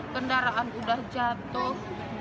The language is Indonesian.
kendaraan udah jatuh